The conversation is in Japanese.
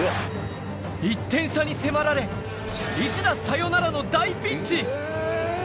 １点差に迫られ、一打サヨナラの大ピンチ。